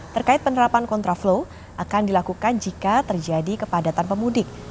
terkait penerapan kontraflow akan dilakukan jika terjadi kepadatan pemudik